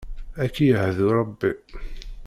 Ad k-id-yehdu Rebbi.